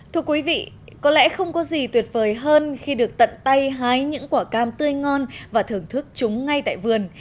thưa quý vị có lẽ không có gì tuyệt vời hơn khi được tận tay hái những quả cam tươi ngon và thưởng thức chúng ngay tại vườn